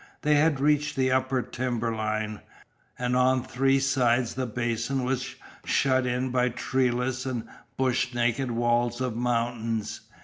They had reached the upper timber line, and on three sides the basin was shut in by treeless and brush naked walls of the mountains.